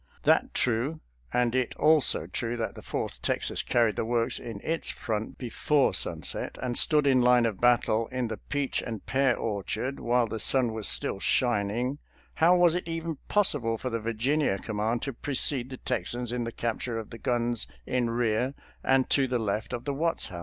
That true, and it also true that the Fourth Texas carried the works in its front before sun set, and stood in line of battle in the peach and pear orchard while the sun was still shining, how was it even possible for the Virginia com mand to precede the Texans in the capture of the guns in rear and to the left of the Watts house?